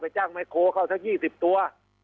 ไปจ้างไม้โครเข้าทั้ง๒๐ตัว